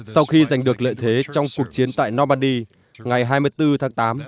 sau khi giành được lợi thế trong cuộc chiến tại normandy ngày hai mươi bốn tháng tám